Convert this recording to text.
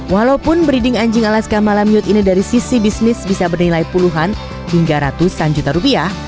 walaupun breeding anjing alaska malam yute ini dari sisi bisnis bisa bernilai puluhan hingga ratusan juta rupiah